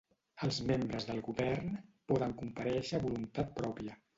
Els membres del govern poden comparèixer a voluntat pròpia.